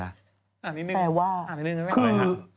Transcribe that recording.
อ่านิดนึงอ่านิดนึงเลยอะไรฮะแปลว่า